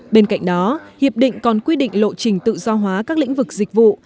bên cạnh đó hiệp định còn quy định lộ trình tự do hóa các lĩnh vực dịch vụ